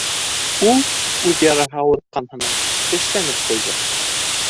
Ул, үҙ яраһы ауыртҡан һымаҡ, тешләнеп ҡуйҙы.